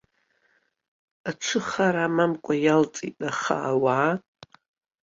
Аҽы хар амамкәа иалҵит, аха ауаа.